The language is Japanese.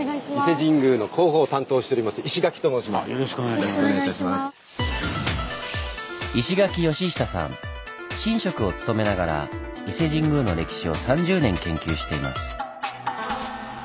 神職をつとめながら伊勢神宮の歴史を３０年研究しています。